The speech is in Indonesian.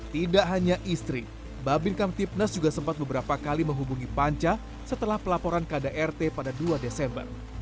tidak hanya istri babin kamtipnas juga sempat beberapa kali menghubungi panca setelah pelaporan kdrt pada dua desember